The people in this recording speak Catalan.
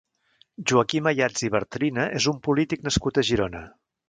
Joaquim Ayats i Bartrina és un polític nascut a Girona.